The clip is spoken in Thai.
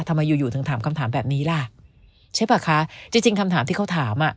ทำไมอยู่อยู่ถึงถามคำถามแบบนี้ล่ะใช่ป่ะคะจริงจริงคำถามที่เขาถามอ่ะ